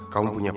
kamu punya papa